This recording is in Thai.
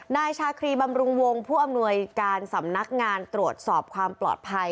นายชาครีบำรุงวงผู้อำนวยการสำนักงานตรวจสอบความปลอดภัย